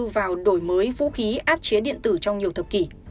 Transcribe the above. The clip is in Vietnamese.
vào đổi mới vũ khí áp chế điện tử trong nhiều thập kỷ